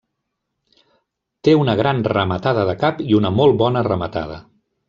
Té una gran rematada de cap i una molt bona rematada.